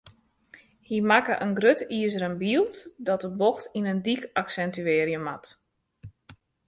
Hy makke in grut izeren byld dat de bocht yn in dyk aksintuearje moat.